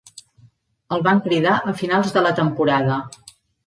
El van cridar a finals de la temporada.